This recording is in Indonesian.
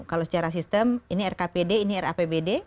kalau secara sistem ini rkpd ini rapbd